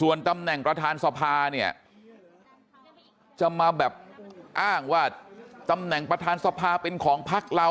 ส่วนตำแหน่งประธานสภาเนี่ยจะมาแบบอ้างว่าตำแหน่งประธานสภาเป็นของพักเรา